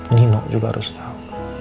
nino juga harus tau